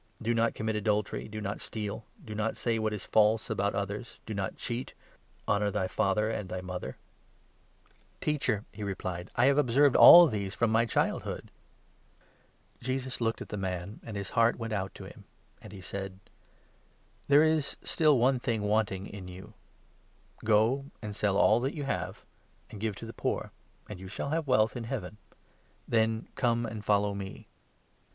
Do not commit adultery. Do not steal. Do not say what is false about others. Do not cheat. Honour thy father and thy mother.' "* Deut. 14. i. « Gen. i. 37. 1 Gen. a. 34. '» Deut. 5. 17—20. MARK, 1O. 25 " Teacher," he replied, " I have observed all these from my 20 childhood." Jesus looked at the man, and his heart went out to him, and he 21 said : "There is still one thing wanting in you ; go and sell all that you have, and give to the poor, and you shall have wealth in Heaven ; then come and follow me."